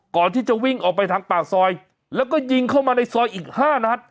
ก่อนที่จะวิ่งออกไปทางปากซอยแล้วก็ยิงเข้ามาในซอยอีก๕นัด